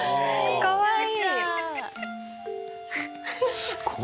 かわいい。